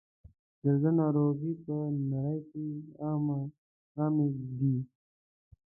د زړه ناروغۍ په نړۍ کې عامې دي.